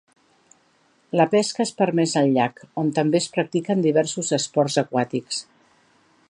La pesca és permesa al llac, on també es practiquen diversos esports aquàtics.